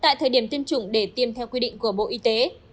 tại thời điểm tiêm chủng để tiêm theo quy định của bộ y tế